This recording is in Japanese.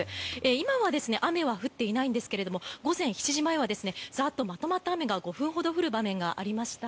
今は雨は降っていないんですが午前７時前はザーッとまとまった雨が５分ほど降る場面がありました。